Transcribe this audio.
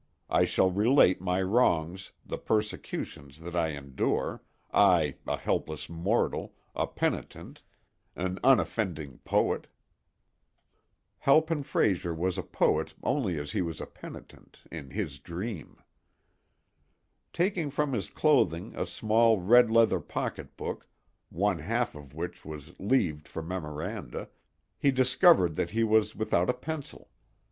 I shall relate my wrongs, the persecutions that I endure—I, a helpless mortal, a penitent, an unoffending poet!" Halpin Frayser was a poet only as he was a penitent: in his dream. Taking from his clothing a small red leather pocketbook, one half of which was leaved for memoranda, he discovered that he was without a pencil.